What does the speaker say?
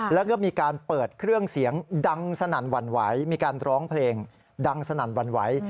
แล้วก็มีการเปิดเครื่องเสียงดังสนั่นหวั่นไหวมีการร้องเพลงดังสนั่นหวั่นไหว